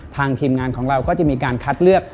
ทีมงานของเราก็จะมีการคัดเลือก